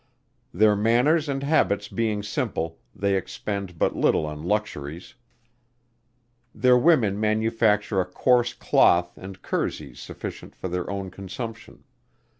Their manners and habits being simple, they expend but little on luxuries. Their women manufacture a coarse cloth and kerseys sufficient for their own consumption.